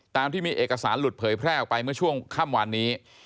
ตามที่มีเอกสารหลุดเผยแพร่ออกไปเมื่อช่วงค่ำวันนี้